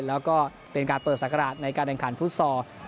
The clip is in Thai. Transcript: แล้วก็เป็นการเปิดสักกระดาษในการรันการฟุศศาล